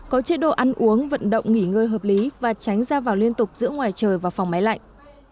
có chế độ ăn uống vận động nghỉ ngơi hợp lý và tránh ra vào liên tục giữa ngoài trời và phòng máy lạnh